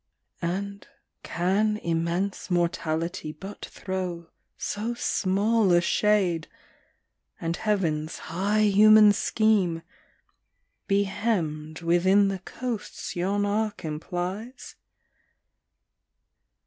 And can immense Mortality but throw So small a shade, and Heaven's high human scheme Be hemmed within the coasts yon arc implies?